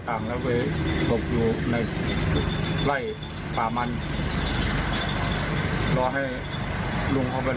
แต่ฉันจะมอบตัว